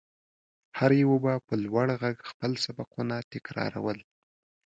هر يوه به په لوړ غږ خپل سبقونه تکرارول.